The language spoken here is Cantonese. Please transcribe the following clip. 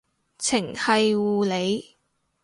程繫護理